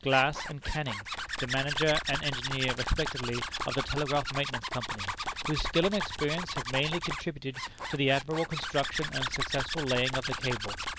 Glass and Canning, the manager and engineer respectively of the Telegraph Maintenance Company, whose skill and experience have mainly contributed to the admirable construction and successful laying of the cable.